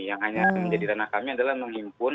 yang hanya menjadi ranah kami adalah menghimpun